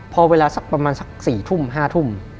พอเวลาสักประมาณสัก๔ทุ่ม๕ทุ่ม